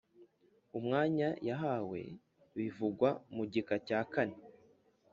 umwanya yahawe bivugwa mu gika cya kane